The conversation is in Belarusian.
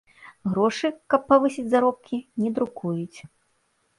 Грошы, каб павысіць заробкі, не друкуюць.